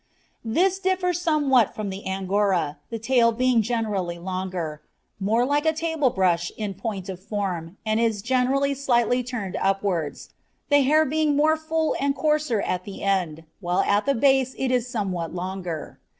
This differs somewhat from the Angora, the tail being generally longer, more like a table brush in point of form, and is generally slightly turned upwards, the hair being more full and coarser at the end, while at the base it is somewhat longer.